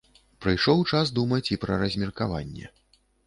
Прыйшоў час думаць і пра размеркаванне.